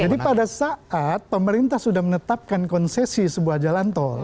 jadi pada saat pemerintah sudah menetapkan konsesi sebuah jalan tol